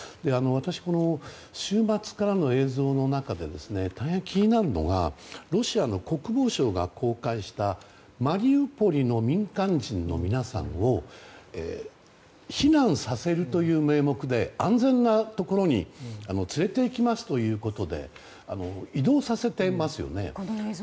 私、この週末からの映像の中で大変、気になるのがロシアの国防省が公開したマリウポリの民間人の皆さんを避難させるという名目で安全なところに連れていきますということで移動させていますよね。